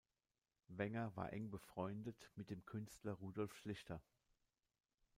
Wenger war eng befreundet mit dem Künstler Rudolf Schlichter.